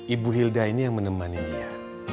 ibu hilda ini yang menemani dia